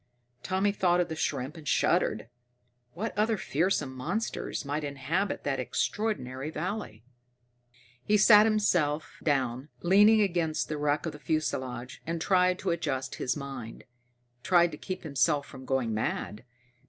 Tommy thought of the shrimp, and shuddered. What other fearsome monsters might inhabit that extraordinary valley? He sat down, leaning against the wreck of the fuselage, and tried to adjust his mind, tried to keep himself from going mad.